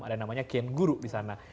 ada namanya kienguru di sana